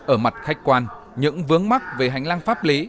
ở mặt khách quan những vướng mắc về hành lang pháp lý